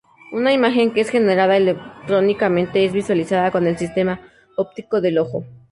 Una imagen que es generada electrónicamente es visualizada con el sistema óptico del ojo.